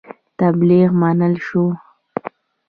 تبلیغ منع شو.